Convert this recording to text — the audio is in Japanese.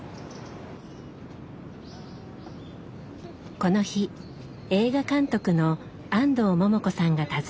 この日映画監督の安藤桃子さんが訪ねました。